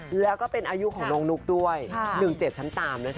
แล้วก็เป็นอายุของน้องนุ๊กด้วย๑๗ชั้นตามนะคะ